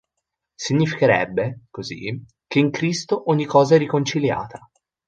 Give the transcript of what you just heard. Significherebbe, così, che in Cristo ogni cosa è riconciliata.